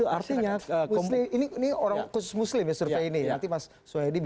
artinya ini orang khusus muslim ya survei ini